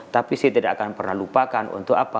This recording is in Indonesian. tapi saya tidak akan pernah lupakan untuk apa